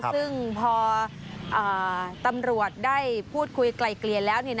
ซึ่งพอตำรวจได้พูดคุยไกลเกลี่ยแล้ว